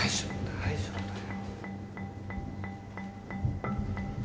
大丈夫だよ。